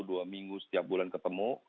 dua minggu setiap bulan ketemu